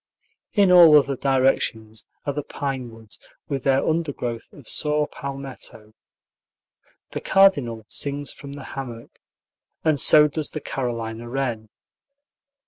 In all other directions are the pine woods, with their undergrowth of saw palmetto. The cardinal sings from the hammock, and so does the Carolina wren.